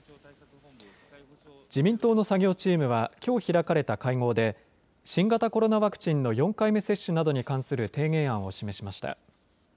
自民党の作業チームはきょう開かれた会合で新型コロナワクチンの４回目接種などに関する提言案を示しました。